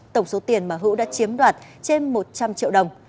tổng số tiền mà hữu đã chiếm đoạt trên một trăm linh triệu đồng